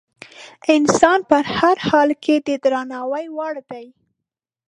انسان په هر حال کې د درناوي وړ دی.